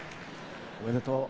おめでとう。